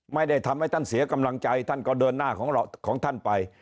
ไม่ได้ทำให้ท่านเสียกำลังใจท่านก็เดินหน้าของท่านไป